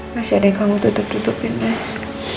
masih ada yang kamu tutup tutupin mas